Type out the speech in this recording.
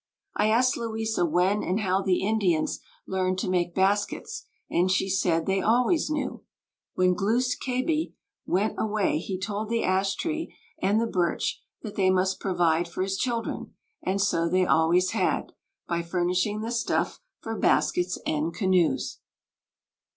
I asked Louisa when and how the Indians learned to make baskets and she said they always knew. When Glūs kābé went away, he told the ash tree and the birch that they must provide for his children; and so they always had, by furnishing the stuff for baskets and canoes.